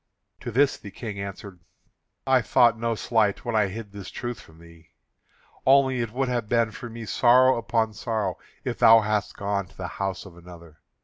To this the King answered: "I thought no slight when I hid this truth from thee. Only it would have been for me sorrow upon sorrow if thou hadst gone to the house of another.